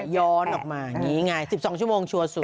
ย้อนออกมางี้ไง๑๒ชั่วโมงชั่วสุด